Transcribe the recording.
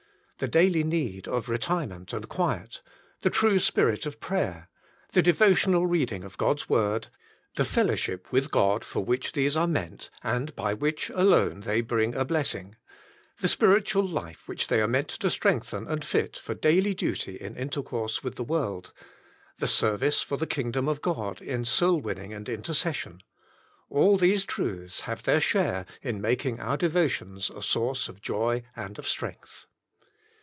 The daily need of retirement and quiet; the true Spirit of prayer; the Devo tional reading of God^s Word; the Fellowship with God for which these are meant and by which alone they bring a blessing; the Spiritual Life which they are meant to strengthen and fit for daily duty in intercourse with the world; the Service for the Kingdom of God in Soul winning and Intercession — all these truths have their share in making our devotions a source of joy and of strength.